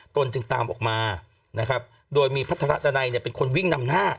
ตนจึงตามออกมานะครับโดยมีพัฒนาดันัยเนี่ยเป็นคนวิ่งนำหน้า